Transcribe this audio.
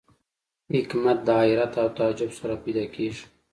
حکمت د حیرت او تعجب څخه را پیدا کېږي.